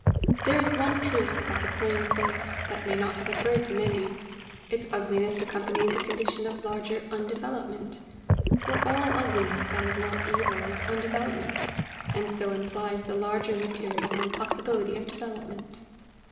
There is one truth about a plain face, that may not have occurred to many: its ugliness accompanies a condition of larger undevelopment, for all ugliness that is not evil, is undevelopment; and so implies the larger material and possibility of development.